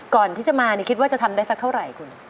ก่อนที่จะมานี่คิดว่าจะทำได้สักเท่าไหร่คุณ